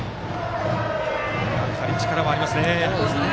やはり力がありますね。